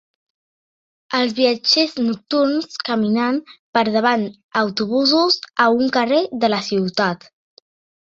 Els viatgers nocturns caminant per davant autobusos a un carrer de la ciutat.